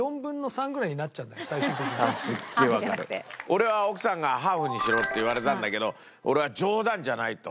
俺は奥さんが「ハーフにしろ」って言われたんだけど俺は「冗談じゃない！」と。